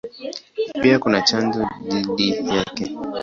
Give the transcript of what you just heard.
Pia kuna chanjo dhidi yake.